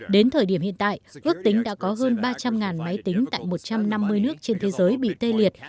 đến thời điểm hiện tại ước tính đã có hơn ba trăm linh máy tính tại một trăm năm mươi nước trên thế giới bị tê liệt